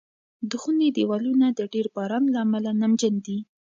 د خونې دېوالونه د ډېر باران له امله نمجن دي.